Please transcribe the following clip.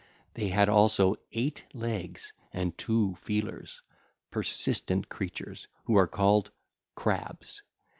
They had also eight legs and two feelers—persistent creatures who are called crabs.